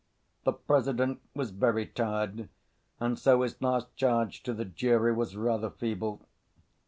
The President was very tired, and so his last charge to the jury was rather feeble.